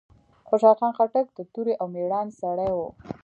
خوشحال خان خټک د توری او ميړانې سړی وه.